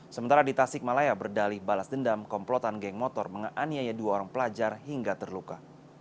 sementara di tasik malaya berdali balas dendam komplotan geng motor menganiaya dua orang pelajar hingga terluka